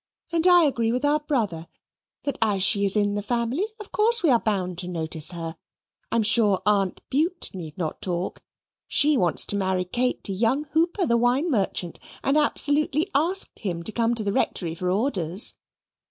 "And I agree with our brother, that as she is in the family, of course we are bound to notice her. I am sure Aunt Bute need not talk; she wants to marry Kate to young Hooper, the wine merchant, and absolutely asked him to come to the Rectory for orders."